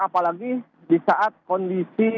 apalagi di saat kondisi